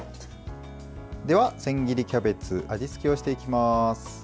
では、千切りキャベツ味付けをしていきます。